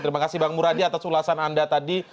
terima kasih bang muradi atas ulasan anda tadi